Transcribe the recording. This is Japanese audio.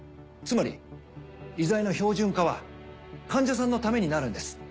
つまり医材の標準化は患者さんのためになるんです。